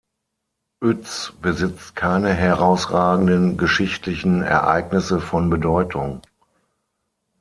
Uetz besitzt keine herausragenden geschichtlichen Ereignisse von Bedeutung.